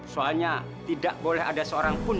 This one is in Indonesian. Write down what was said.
soalnya tidak boleh ada seorang pun